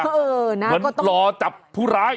เหมือนรอจับผู้ร้าย